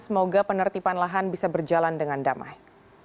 semoga penertiban lahan bisa berjalan dengan damai